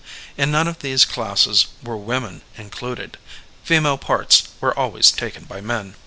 In none of these classes were women included; female parts were always taken by men.